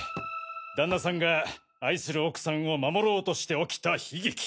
旦那さんが愛する奥さんを守ろうとして起きた悲劇。